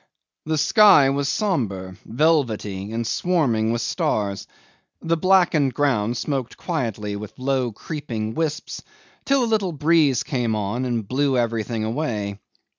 The sky was sombre, velvety, and swarming with stars. The blackened ground smoked quietly with low creeping wisps, till a little breeze came on and blew everything away.